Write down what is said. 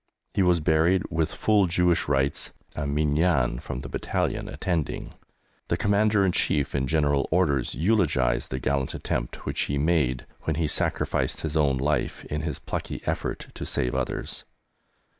He was buried with full Jewish rites, a "Minyan" from the battalion attending. The Commander in Chief in General Orders eulogised the gallant attempt which he made when he sacrificed his own life in his plucky effort to save others.